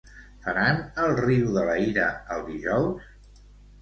Faran "El riu de la ira" el dijous?